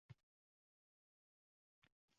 Yangi yilga munosib tuhfa